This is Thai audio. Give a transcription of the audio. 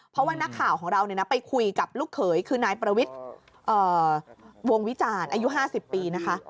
เพราะว่านักข่าวของเราไปคุยกับลูกเขยคือนายประวิทย์วงวิจารณ์อายุ๕๐ปีนะคะ